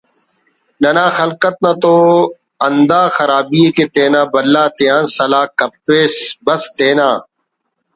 ننا خلقت نا تو ہندا خراب ءِ کہ تینا بھلا تیان سلاہ کپسہ بس تینا